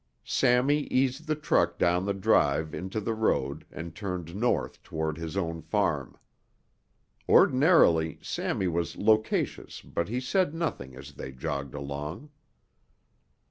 Sammy eased the truck down the drive into the road and turned north toward his own farm. Ordinarily Sammy was loquacious but he said nothing as they jogged along.